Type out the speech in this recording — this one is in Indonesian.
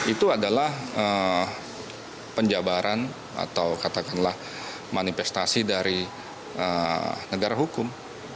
itu adalah penjabaran atau katakanlah manifestasi dari negara hukum